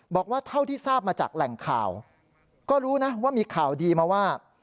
บอกว่าเท่าที่ทราบมาจากแหล่งข่าวก็รู้นะว่ามีข่าวดีมาว่า